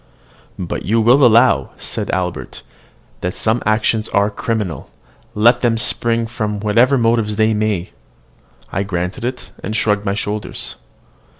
"But you will allow," said Albert; "that some actions are criminal, let them spring from whatever motives they may." I granted it, and shrugged my shoulders.